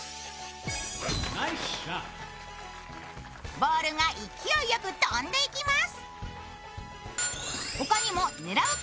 ボールが勢いよく飛んでいきます。